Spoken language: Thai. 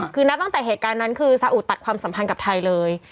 คือนับตั้งแต่เหตุการณ์นั้นคือซาอุตัดความสัมพันธ์กับไทยเลย